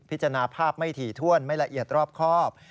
จาภาพไม่ถี่ถ้วนไม่ละเอียดรอบครอบ